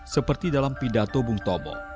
seperti dalam pidato bung tomo